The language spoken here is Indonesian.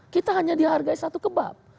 kita hanya dihargai satu kebab